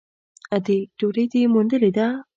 _ادې ! ډوډۍ دې موندلې ده؟